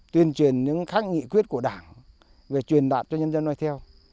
tuyên truyền những khách nghị quyết của đảng về truyền đạn cho nhân dân nói theo